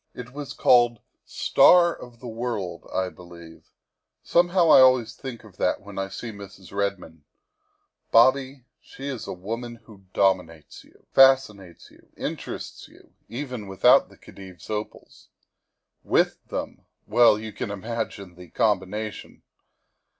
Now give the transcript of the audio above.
It was called 'Star of the World,' I believe; somehow I always think of that when I see Mrs. Redmond. Bobby, she is a woman who dominates you, fascinates you, interests you, even without the Khedive's opals. With them, well you can imagine the combination.